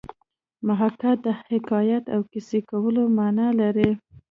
محاکات د حکایت او کیسه کولو مانا لري